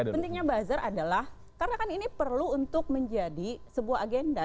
pentingnya buzzer adalah karena kan ini perlu untuk menjadi sebuah agenda